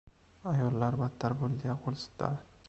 Ayollar battar bo‘l, deya qo‘l siltadi.